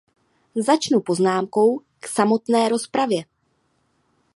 Začnu poznámkou k samotné rozpravě.